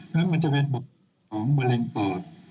เพราะมันจะเป็นบทของมะเร็งปอด